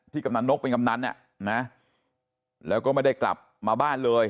กำนันนกเป็นกำนันแล้วก็ไม่ได้กลับมาบ้านเลย